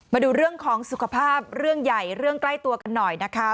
มาดูเรื่องของสุขภาพเรื่องใหญ่เรื่องใกล้ตัวกันหน่อยนะคะ